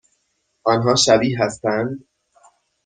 آنها شبیه هستند؟